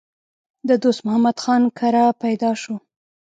د دوست محمد خان کره پېدا شو